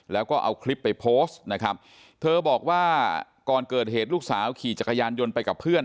แล้วก็เอาคลิปไปโพสต์นะครับเธอบอกว่าก่อนเกิดเหตุลูกสาวขี่จักรยานยนต์ไปกับเพื่อน